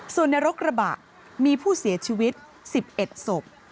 ส่วนในรกระบะมีผู้เสียชีวิต๑๑ศพ